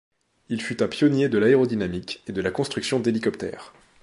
Il fut un pionnier de l'aérodynamique, et de la construction d'hélicoptères.